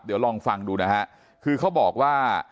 เดี๋ยวลองฟังดูนะฮะคือเขาบอกว่า